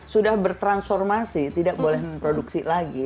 sudah bertransformasi tidak boleh memproduksi lagi